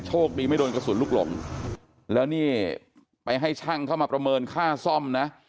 โชคดีไม่โดนกระสุนลูกหลงแล้วนี่ไปให้ช่างเข้ามาประเมินค่าซ่อมนะ